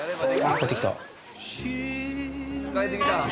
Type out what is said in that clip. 帰ってきた。